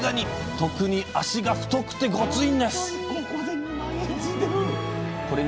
特に脚が太くてゴツいんです！